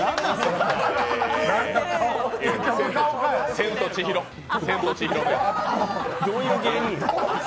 「千と千尋」。